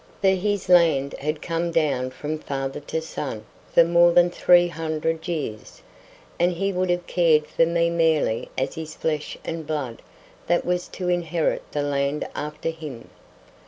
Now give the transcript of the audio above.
For his land had come down from father to son for more than three hundred years, and he would have cared for me merely as his flesh and blood that was to inherit the land after him.